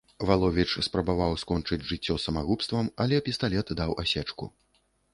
Валовіч спрабаваў скончыць жыццё самагубствам, але пісталет даў асечку.